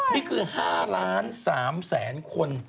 นี่คือ๕๓ล้านคน